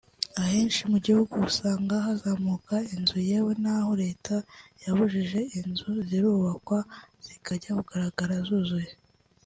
Ahenshi mu gihugu usanga hazamuka inzu yewe n’aho leta yabujije inzu zirubakwa zikajya kugaragara zuzuye